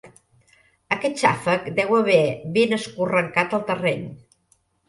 Aquest xàfec deu haver ben escorrancat el terreny.